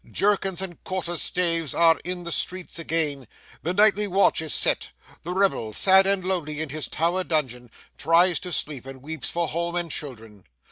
Jerkins and quarter staves are in the streets again, the nightly watch is set, the rebel, sad and lonely in his Tower dungeon, tries to sleep and weeps for home and children.